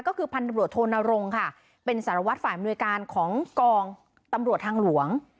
ก็คือพันธบรวจโทนรงค์ค่ะเป็นสารวัตรฝ่ายอำนวยการของกองตำรวจทางหลวง